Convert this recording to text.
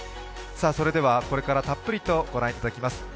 それではこれからたっぷりと御覧いただきます。